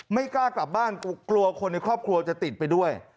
ไม่กล้ากลับบ้านกลัวคนในครอบครัวจะติดไปด้วย